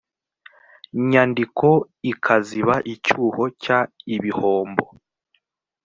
nyandiko ikaziba icyuho cy ibihombo